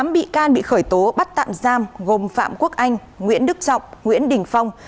tám bị can bị khởi tố bắt tạm giam gồm phạm quốc anh nguyễn đức trọng nguyễn đình phong